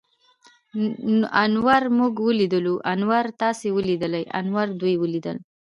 انور موږ وليدلو. انور تاسې وليدليٙ؟ انور دوی وليدل.